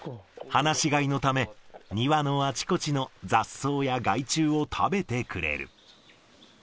放し飼いのため、庭のあちこちの雑草や害虫を食べてくれる。